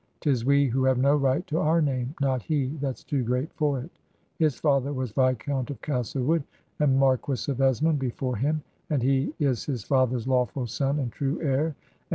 'Tis we who have no right to our name: not he, that's too great for it. ... His father was Viscount of Castlewood, and Marquis of Esmond before him, and he is his father's lawful son and true heir, and